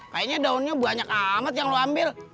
kayaknya daunnya banyak amat yang lo ambil